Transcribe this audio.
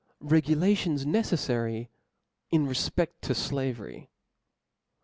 X. Regulations, necejfary in refpe^ to Slavery. p?